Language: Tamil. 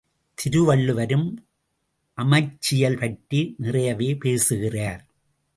திருவள்ளுவரும் அமைச்சியல் பற்றி நிறையவே பேசுகிறார்.